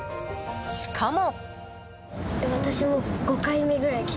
しかも。